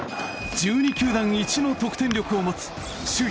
１２球団一の得点力を持つ首位